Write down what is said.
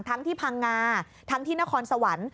ทั้งที่พังงาทั้งที่นครสวรรค์